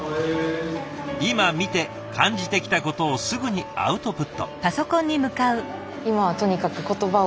今見て感じてきたことをすぐにアウトプット。